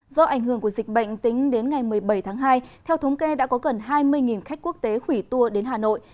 do ảnh hưởng của dịch bệnh tính đến ngày một mươi bảy tháng hai theo thống kê đã có gần hai mươi khách quốc tế hủy tour đến hà nội